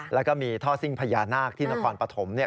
แล้วก็มีท่อซิ่งพญานาคที่นครปฐม